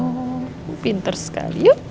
oh pinter sekali yuk